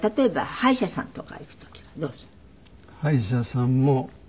歯医者さんも。